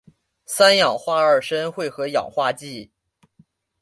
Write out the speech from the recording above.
三氧化二砷会和氧化剂。